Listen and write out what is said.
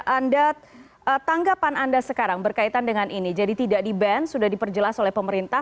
anda tanggapan anda sekarang berkaitan dengan ini jadi tidak di ban sudah diperjelas oleh pemerintah